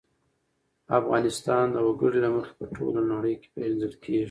افغانستان د وګړي له مخې په ټوله نړۍ کې پېژندل کېږي.